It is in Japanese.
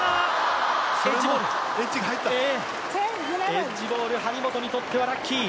エッジボール、張本にとってはラッキー。